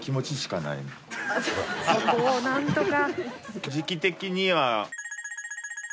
そこを何とか。